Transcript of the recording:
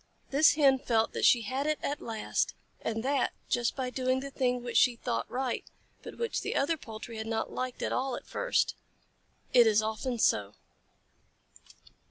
This Hen felt that she had it at last, and that just by doing the thing which she thought right, but which the other poultry had not liked at all at first. It is often so.